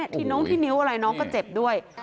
ที่น้องที่นิ้วอะไรน้องก็เจ็บด้วย